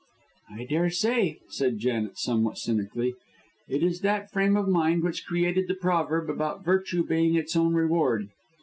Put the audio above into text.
"I daresay," said Janet, somewhat cynically; "it is that frame of mind which created the proverb about virtue being its own reward.